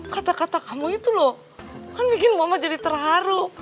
kata kata kamu itu loh kan bikin mama jadi terharu